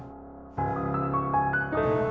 jangan putus harapan ya